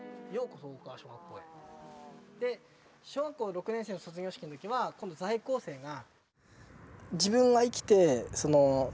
小学校６年生の卒業式の時は今度在校生が。